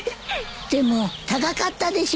でも高かったでしょ？